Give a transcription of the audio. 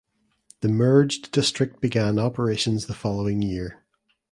The merged district began operations the following year.